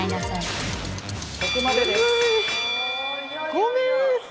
ごめん！